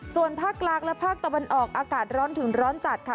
ส่วนภาคกลางและภาคตะวันออกอากาศร้อนถึงร้อนจัดค่ะ